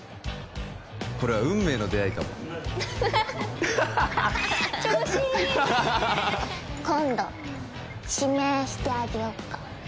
これは運命の出会いかも調子いいね今度指名してあげよっか？